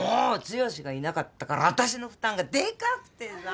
剛がいなかったからあたしの負担がでかくてさ。